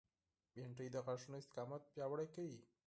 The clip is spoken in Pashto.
بېنډۍ د غاښونو استقامت پیاوړی کوي